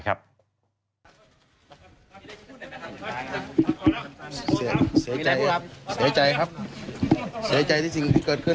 เสียใจครับเสียใจที่สิ่งที่เกิดขึ้น